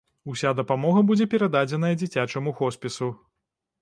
Уся дапамога будзе перададзеная дзіцячаму хоспісу.